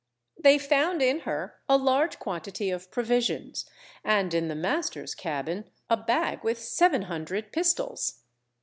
They found in her a large quantity of provisions and in the master's cabin a bag with seven hundred pistoles.